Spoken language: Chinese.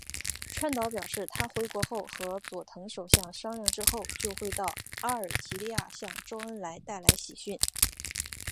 川岛表示他回国后和佐藤首相商量之后就会到阿尔及利亚向周恩来带来喜讯。